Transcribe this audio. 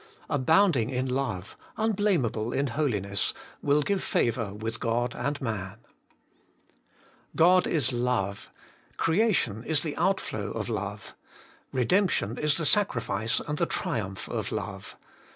'Abounding in hue,' ' unblameable in holiness,' will give favour with God and man. 2. ' God is Love ;' Creation is the outflow of loue. Redemption is the sacri fice and the triumph of love.